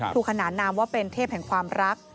ขนานนามว่าเป็นเทพแห่งความรัก